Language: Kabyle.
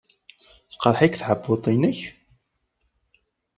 Teqreḥ-ik tɛebbuḍt-nnek?